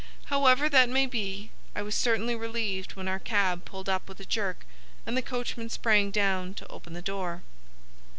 However that may be, I was certainly relieved when our cab pulled up with a jerk and the coachman sprang down to open the door.